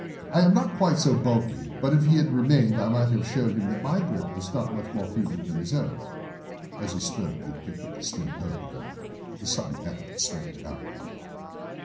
"I am not quite so bulky, but if he had remained I might have shown him that my grip was not much more feeble than his own." As he spoke he picked up the steel poker and, with a sudden effort, straightened it out again.